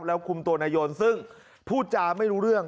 แล้วคุมตัวนายนซึ่งพูดจาไม่รู้เรื่อง